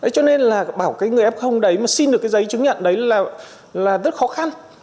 cho nên là bảo cái người f đấy mà xin được cái giấy chứng nhận đấy là rất khó khăn